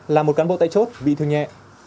là một cán bộ tại chốt bị thương nhẹ